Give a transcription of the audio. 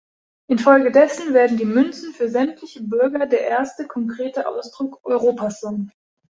Infolgedessen werden die Münzen für sämtliche Bürger der erste konkrete Ausdruck Europas sein.